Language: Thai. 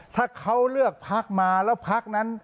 ถ้าเขาเลือกพักมาแล้วพักนั้น